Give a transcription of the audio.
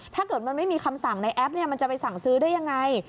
ถ้าเกิดมันไม่มีคำสั่งในแอปมันจะไปสั่งซื้อได้ยังไง